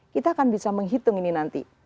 kita akan bisa menghitung ini nanti